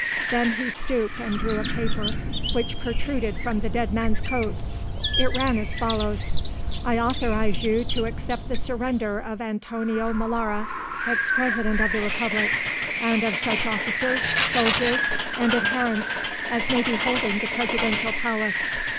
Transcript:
Then he stooped and drew a paper which protruded from the dead man's coat. It ran as follows: _I authorise you to accept the surrender of Antonio Molara, ex President of the Republic, and of such officers, soldiers, and adherents as may be holding the Presidential Palace.